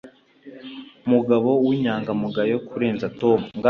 mugabo w'inyangamugayo kurenza Tom